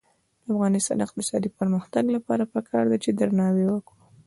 د افغانستان د اقتصادي پرمختګ لپاره پکار ده چې درناوی وکړو.